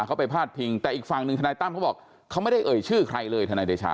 เขาไปพาดพิงแต่อีกฝั่งหนึ่งทนายตั้มเขาบอกเขาไม่ได้เอ่ยชื่อใครเลยทนายเดชา